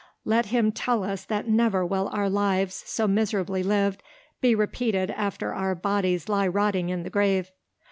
Let him tell us that never will our lives, so miserably lived, be repeated after our bodies lie rotting in the grave."